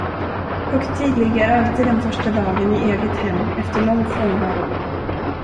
Högtidlig är alltid den första dagen i eget hem efter lång frånvaro.